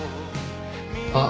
あっ。